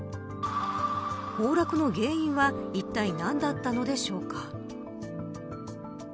崩落の原因はいったい何だったのでしょうか。